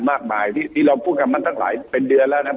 มากมายที่เราพูดกันมาตั้งหลายเป็นเดือนแล้วนะ